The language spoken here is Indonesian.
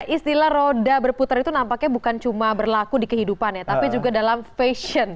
istilah roda berputar itu nampaknya bukan cuma berlaku di kehidupan ya tapi juga dalam fashion